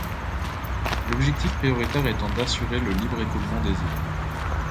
L'objectif prioritaire étant d'assurer le libre écoulement des eaux.